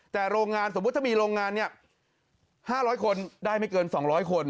แต่โรงงานสมมุติถ้ามีโรงงานเนี้ยห้าร้อยคนได้ไม่เกินสองร้อยคน